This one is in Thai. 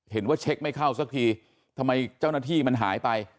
เช็คไม่เข้าสักทีทำไมเจ้าหน้าที่มันหายไป